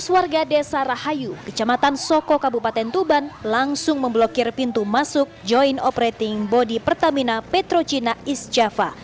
dua belas warga desa rahayu kecamatan soko kabupaten tuban langsung memblokir pintu masuk joint operating body pertamina petrochina east java